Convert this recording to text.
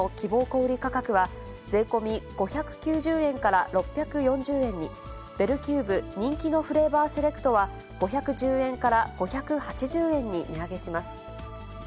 小売り価格は、税込み５９０円から６４０円に、ベルキューブ人気のフレーバーセレクトは、５１０円から５８０円に値上げします。